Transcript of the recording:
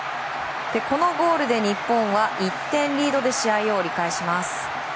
このゴールで日本は１点リードで試合を折り返します。